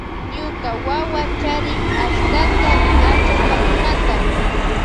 Ñuka wawa charin ashtaka achachakunata.